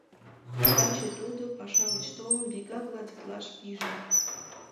Таче тудо, паша гыч толын, вигак гладитлаш пиже.